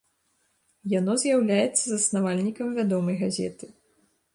Яно з'яўляецца заснавальнікам вядомай газеты.